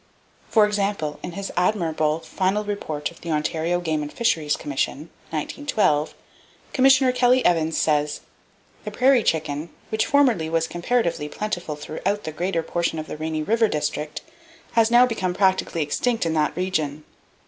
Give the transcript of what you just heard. For example, in his admirable "Final Report of the Ontario Game and Fisheries Commission" (1912), Commissioner Kelly Evans says: "The prairie chicken, which formerly was comparatively plentiful throughout the greater portion of the Rainy River District, has now become practically extinct in that region.